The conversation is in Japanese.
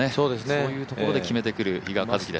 そういうところで決めてくる比嘉一貴です。